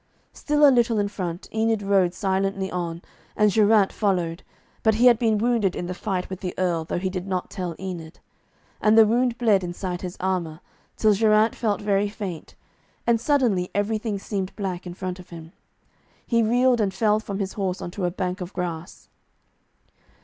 Still a little in front, Enid rode silently on, and Geraint followed, but he had been wounded in the fight with the Earl, though he did not tell Enid. And the wound bled inside his armour, till Geraint felt very faint, and suddenly everything seemed black in front of him. He reeled and fell from his horse on to a bank of grass.